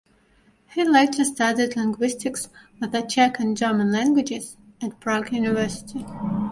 He later studied linguistics of the Czech and German languages at Prague University.